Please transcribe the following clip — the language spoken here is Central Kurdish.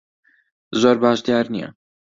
زۆر باش دیار نییە.